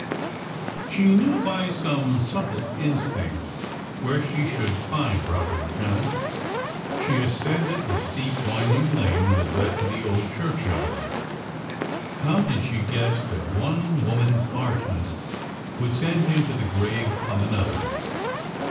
She knew, by some subtle instinct, where she should find Robert Channell. She ascended the steep, winding lane, that led to the old churchyard. How did she guess that one woman's harshness would send him to the grave of another?